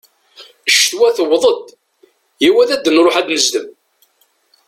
Ccetwa tewweḍ-d, yaw ad nruḥ ad d-nezdem!